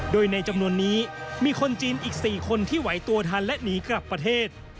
โดยในจำนวนนี้มีคนจีนอีก๔คนที่ไหวตัวทันและหนีกลับประเทศ